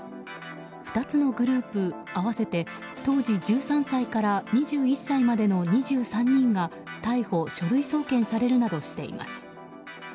２つのグループ合わせて当時１３歳から２１歳までの２３人が逮捕・書類送検されるなどしています。